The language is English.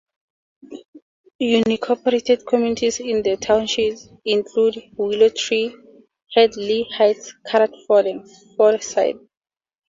Unincorporated communities in the township include Willow Tree, Headlee Heights, Garards Fort, and Fordyce.